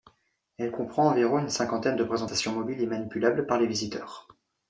Elle comprend environ une cinquantaine de présentations mobiles et manipulables par les visiteurs.